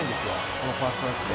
このファーストタッチで。